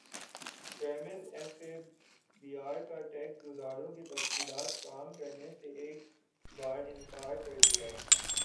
chairman F B R کا tax گزاروں کی تفصیلات فراہم کرنے سے ایک بارانکار کردیا